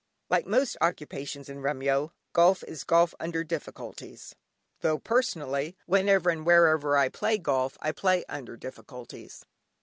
Like most occupations in Remyo, golf is golf under difficulties, though personally, whenever and wherever I play golf, I play under difficulties.